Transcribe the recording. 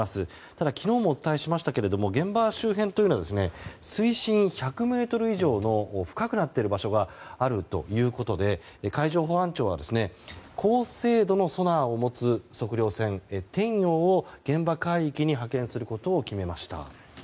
ただ、昨日もお伝えしましたが現場周辺は水深１００ｍ以上の深くなっている場所があるということで海上保安庁は高精度のソナーを持つ測量船「天洋」を現場海域に派遣することを決めました。